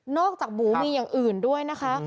จากหมูมีอย่างอื่นด้วยนะคะ